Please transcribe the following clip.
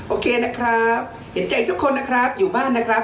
โอเคนะครับเห็นใจทุกคนนะครับอยู่บ้านนะครับ